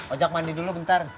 ojak mandi dulu bentar